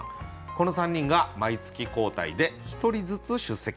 この３人が毎月交代で１人ずつ出席。